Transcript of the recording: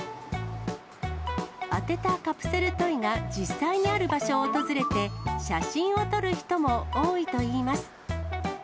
当てたカプセルトイが実際にある場所を訪れて、写真を撮る人も多いといいます。